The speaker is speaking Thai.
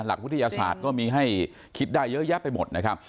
หลักวิทยาศาสตร์ก็มีให้คิดได้เยอะแยะไปหมดนะครับ